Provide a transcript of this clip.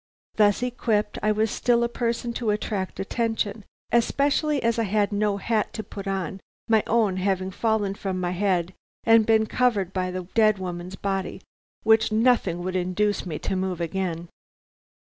Thus equipped, I was still a person to attract attention, especially as I had no hat to put on; my own having fallen from my head and been covered by the dead woman's body, which nothing would induce me to move again.